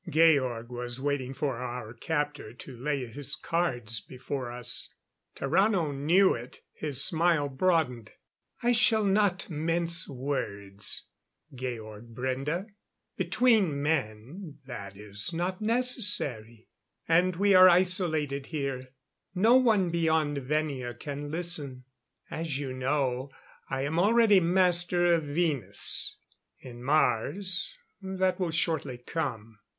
Georg was waiting for our captor to lay his cards before us. Tarrano knew it; his smile broadened. "I shall not mince words, Georg Brende. Between men, that is not necessary. And we are isolated here no one beyond Venia can listen. As you know, I am already Master of Venus. In Mars that will shortly come.